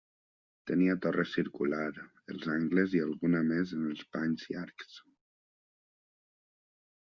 Tenia torres circulars als angles i alguna més en els panys llargs.